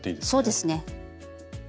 そうですね。